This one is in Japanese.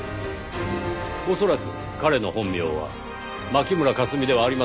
恐らく彼の本名は牧村克実ではありません。